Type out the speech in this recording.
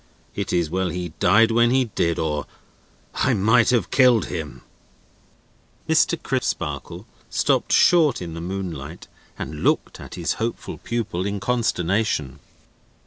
It is well he died when he did, or I might have killed him." Mr. Crisparkle stopped short in the moonlight and looked at his hopeful pupil in consternation.